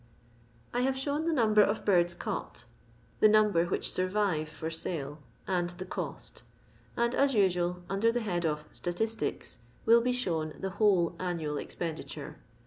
I have shown the number of birds caught, the somber which sonriTe for sale, and the cost; and, as nsnal, vnder the head of " Statistics," will be •hown the whole annual expenditure.